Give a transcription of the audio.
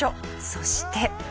そして。